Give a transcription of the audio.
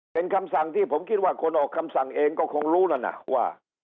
เป็นคำสั่งที่ผมคิดว่าคนออกคำสั่งเองก็คงรู้นั่นน่ะว่า